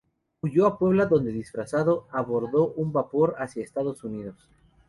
Huyó a Puebla, donde disfrazado, abordó un vapor hacia Estados Unidos.